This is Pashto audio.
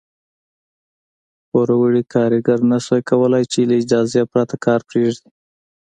پوروړي کارګر نه شوای کولای چې له اجازې پرته کار پرېږدي.